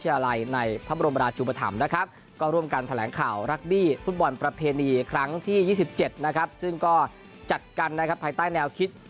อะไรในพระบรมราชุปธรรมนะครับก็ร่วมกันแถลงข่าวรักบี้ฟุตบอลประเพณีครั้งที่๒๗นะครับซึ่งก็จัดกันนะครับภายใต้แนวคิด